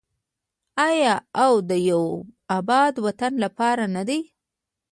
آیا او د یو اباد وطن لپاره نه ده؟